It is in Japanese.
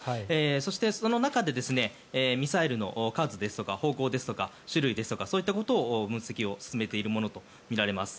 そしてその中でミサイルの数ですとか方向ですとか種類ですとかそういったことの分析を進めているものとみられます。